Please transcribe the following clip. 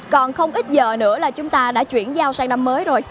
còn không ít giờ nữa là chúng ta đã chuyển giao sang năm mới rồi